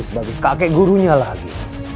sebagai kakek gurunya lagi